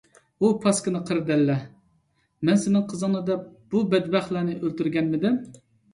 ھۇ پاسكىنا قېرى دەللە! مەن سېنىڭ قىزىڭنى دەپ بۇ بەتبەختلەرنى ئۆلتۈرگەنمىدىم؟